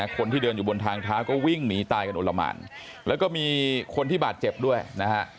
คนที่เดินอยู่บนทางเท้าก็วิ่งหนีตายกันโอละหมานแล้วก็มีคนที่บาดเจ็บด้วยนะฮะ